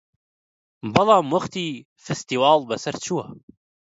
بەڵام وەختی فستیواڵ بەسەر چووە